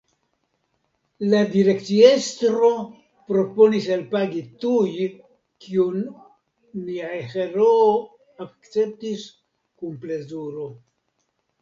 La direkciestro proponis elpagi tuj, kion nia heroo akceptis kun plezuro.